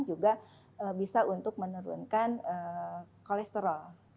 juga bisa untuk menurunkan kolesterol